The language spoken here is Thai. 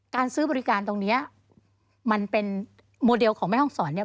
ซื้อบริการตรงเนี้ยมันเป็นโมเดลของแม่ห้องศรเนี่ย